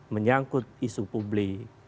menyangkut isu publik